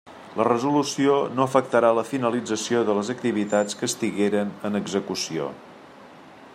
La resolució no afectarà la finalització de les activitats que estigueren en execució.